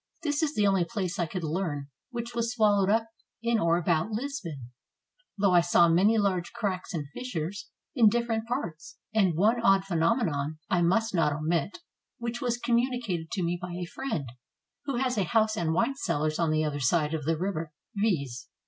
This is the only place I could learn which was swal lowed up in or about Lisbon, though I saw many large cracks and fissures in dififerent parts; and one odd phe nomenon I must not omit, which was communicated to me by a friend — who has a house and wine cellars on the other side of the river, viz.